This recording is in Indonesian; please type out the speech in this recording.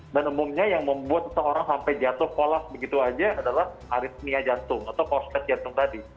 dan umumnya yang membuat orang sampai jatuh kolos begitu aja adalah aritmia jantung atau korslet jantung tadi